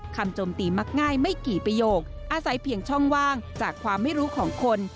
โจมตีมักง่ายไม่กี่ประโยคอาศัยเพียงช่องว่างจากความไม่รู้ของคน